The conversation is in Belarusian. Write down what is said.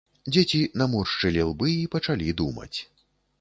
Дзеці наморшчылі лбы і пачалі думаць.